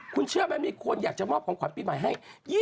คุณเชื่อไหมมีคนอยากจะมอบของขวัญปีใหม่ให้